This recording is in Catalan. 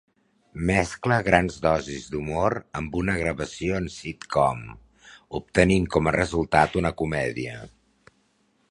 Mescla grans dosis d’humor amb una gravació en sitcom, obtenint com a resultat una comèdia.